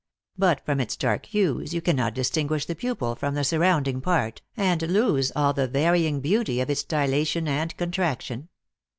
But from its dark hues you cannot distinguish the pupil from the surrounding part, and lose all the varying beauty of its dilation and contraction.